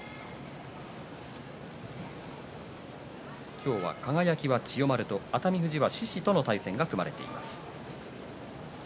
今日は輝は千代丸と熱海富士は獅司との対戦が組まれています。